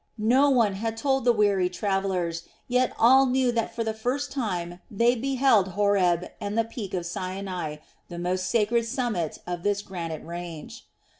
No one had told the weary travellers, yet all knew that for the first time they beheld Horeb and the peak of Sinai, the most sacred summit of this granite range.